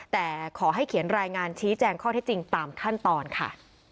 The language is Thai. แต่ขอให้เขียนรายงานชี้แจงข้อเท็จจริงตามขั้นตอนค่ะ